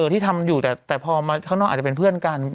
ที่ทำอยู่แต่พอมาข้างนอกอาจจะเป็นเพื่อนกัน